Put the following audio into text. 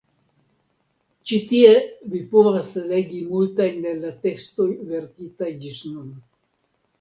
Ĉi tie vi povas legi multajn el la tekstoj verkitaj ĝis nun.